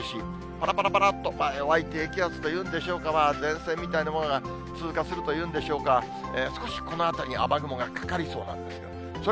ぱらぱらぱらっと弱い低気圧というんでしょうか、前線みたいなものが通過するというんでしょうか、少しこの辺りに雨雲がかかりそうなんです。